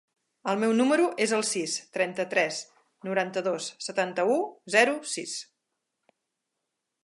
El meu número es el sis, trenta-tres, noranta-dos, setanta-u, zero, sis.